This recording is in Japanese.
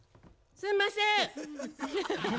すんません。